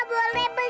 kok pinter kan